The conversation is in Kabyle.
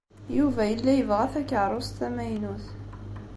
Yuba yella yebɣa takeṛṛust tamaynut.